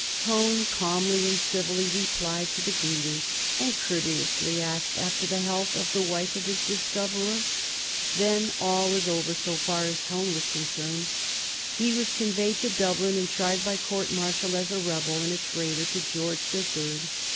Tone calmly and civilly replied to the greeting, and courteously asked after the health of the wife of his discoverer. Then all was over so far as Tone was concerned. He was conveyed to Dublin and tried by court martial as a rebel and a traitor to George the Third.